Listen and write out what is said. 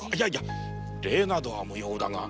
礼などは無用だが。